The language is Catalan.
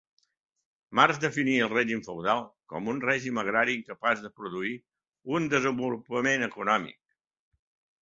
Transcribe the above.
Marx definia el règim feudal com un règim agrari incapaç de produir un desenvolupament econòmic.